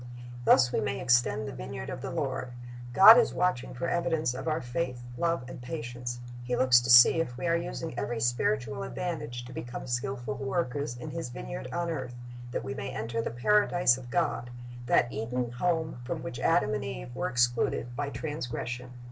Thus we may extend the vineyard of the Lord. God is watching for evidence of our faith, love, and patience. He looks to see if we are" using every spiritual advantage to become skilful workers in His vineyard on earth, that we may enter the Paradise of God, that Eden home from which Adam and Eve were excluded by transgression.